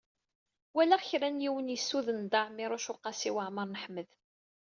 Walaɣ kra n yiwen yessuden Dda Ɛmiiruc u Qasi Waɛmer n Ḥmed.